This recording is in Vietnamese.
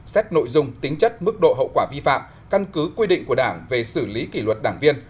xét nội dung tính chất mức độ hậu quả vi phạm căn cứ quy định của đảng về xử lý kỷ luật đảng viên